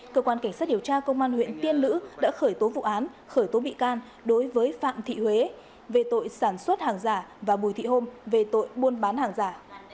cơ quan cảnh sát điều tra công an huyện tiên lữ đã khởi tố vụ án khởi tố bị can đối với phạm thị huế về tội sản xuất hàng giả và bùi thị hôm về tội buôn bán hàng giả